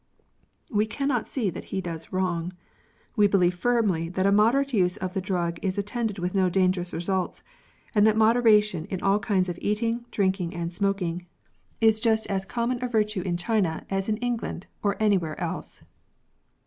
We can not see that he does wrong. We believe firmly that a moderate use of the drug is attended with no dangerous results ; and that moderation in all kinds of eating, drinking, and smoking, is just as OPIUM SMOKING. 1 1 7 common a virtue in China as in England or any where else.